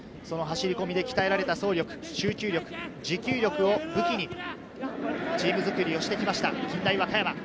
その走り込みで鍛えられた走力、集中力、持久力を武器にチーム作りをしてきました、近大和歌山。